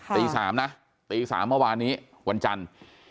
ตี๓นะตี๓เมื่อวานนี้วันจันทร์